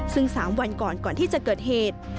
ซึ่ง๓วันก่อนก่อนที่จะเกิดเหตุ